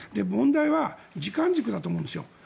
問題は時間軸だと思うんですよ。